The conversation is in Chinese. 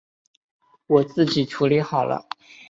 我自己处理好了